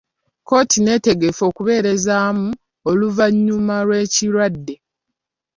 Kkooti neetegefu okubeerezaamu oluvannyuma lw'ekirwadde.